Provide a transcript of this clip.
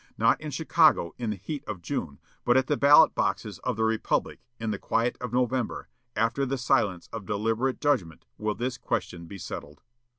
Not in Chicago, in the heat of June, but at the ballot boxes of the republic, in the quiet of November, after the silence of deliberate judgment, will this question be settled."